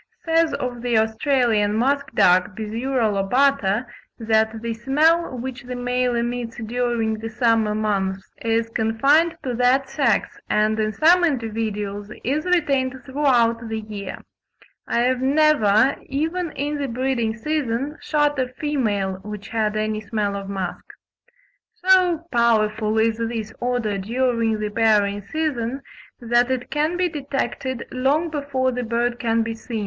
says of the Australian musk duck (Biziura lobata) that "the smell which the male emits during the summer months is confined to that sex, and in some individuals is retained throughout the year; I have never, even in the breeding season, shot a female which had any smell of musk." So powerful is this odour during the pairing season, that it can be detected long before the bird can be seen.